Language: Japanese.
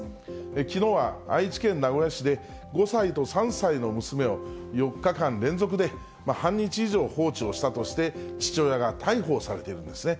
きのうは愛知県名古屋市で、５歳と３歳の娘を４日間連続で、半日以上放置をしたとして、父親が逮捕されているんですね。